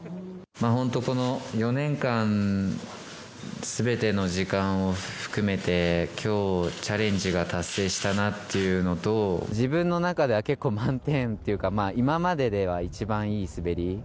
本当、この４年間、すべての時間を含めて、きょう、チャレンジが達成したなっていうのと、自分の中では結構、満点っていうか、今まででは一番いい滑り。